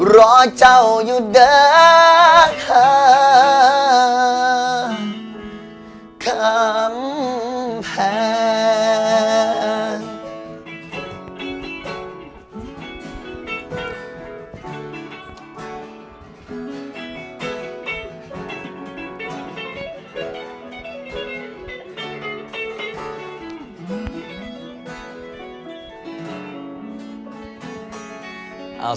รอเจ้าอยู่เดิมข้ามแพง